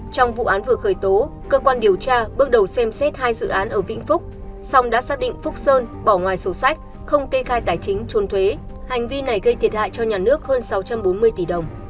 trong vụ án vừa khởi tố cơ quan điều tra bước đầu xem xét hai dự án ở vĩnh phúc xong đã xác định phúc sơn bỏ ngoài sổ sách không kê khai tài chính trôn thuế hành vi này gây thiệt hại cho nhà nước hơn sáu trăm bốn mươi tỷ đồng